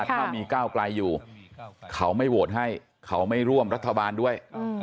ถ้ามีก้าวไกลอยู่เขาไม่โหวตให้เขาไม่ร่วมรัฐบาลด้วย